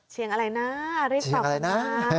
เชียงอะไรนะรีบตอบนะ